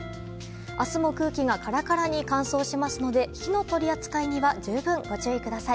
明日も空気がカラカラに乾燥しますので火の取り扱いには十分、ご注意ください。